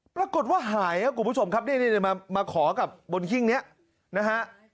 ปรากฏว่าหายครับคุณผู้ชมครับนี่มาขอกับบนหิ้งนี้นะฮะ